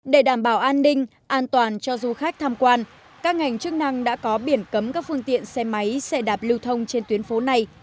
để đảm bảo an ninh an toàn cho du khách tham quan các ngành chức năng đã có biển cấm các phương tiện xe máy xe đạp lưu thông trên tuyến phố này